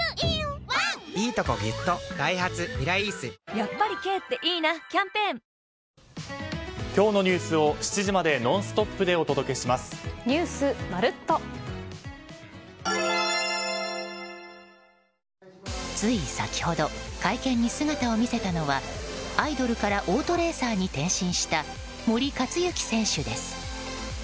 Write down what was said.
やっぱり軽っていいなキャンペーンつい先ほど会見に姿を見せたのはアイドルからオートレーサーに転身した森且行選手です。